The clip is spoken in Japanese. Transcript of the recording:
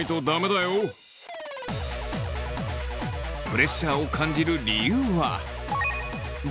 プレッシャーを感じる理由は。などの声が。